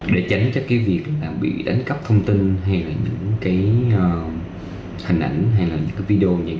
để tránh cho cái việc là bị đánh cắp thông tin hay là những cái hình ảnh hay là những cái video